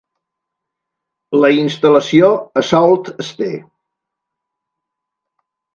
La instal·lació a Sault Ste.